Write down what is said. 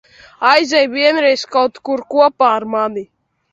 Aizej vienreiz kaut kur kopā ar mani.